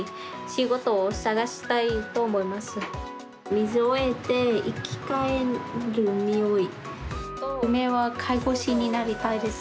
水を得て生き返るにおい。